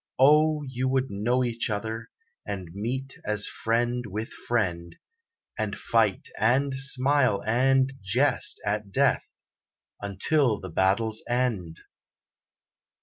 O you would know each other, And meet as friend, with friend, And fight, and smile, and jest at Death, Until the battles end!